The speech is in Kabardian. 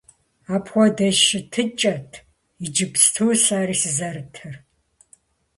Апхуэдэ щытыкӀэт иджыпсту сэри сызэрытыр.